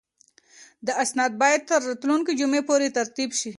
دا اسناد باید تر راتلونکې جمعې پورې ترتیب شي.